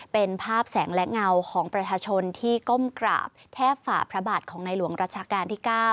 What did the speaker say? เป็นภาพแสงและเงาของประชาชนที่ก้มกราบแทบฝ่าพระบาทของในหลวงรัชกาลที่๙